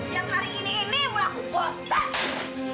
yang hari ini ini mengaku bosan